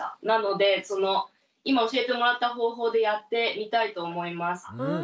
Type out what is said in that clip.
なので今教えてもらった方法でやってみたいと思います。